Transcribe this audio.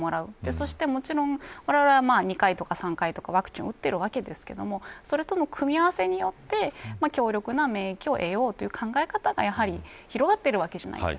そしてもちろん、われわれは２回とか３回とかワクチンを打っていますがそれとの組み合わせによって強力な免疫を得ようという考え方が広がっているわけです。